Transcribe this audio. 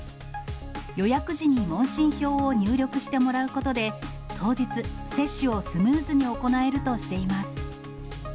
予約時に問診票を入力してもらうことで、当日、接種をスムーズに行えるとしています。